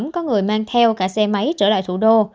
có người mang theo cả xe máy trở lại thủ đô